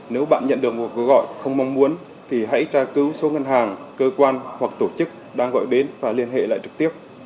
nếu bạn nhận được một gọi không mong muốn thì hãy tra cứu số ngân hàng cơ quan hoặc tổ chức đang gọi đến và liên hệ lại trực tiếp